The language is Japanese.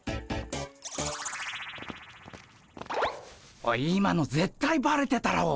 おい今のぜったいバレてたろ。